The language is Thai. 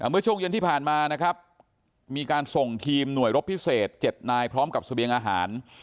เมื่อช่วงเย็นที่ผ่านมานะครับมีการส่งทีมหน่วยรบพิเศษ๗นายพร้อมกับเสบียงอาหาร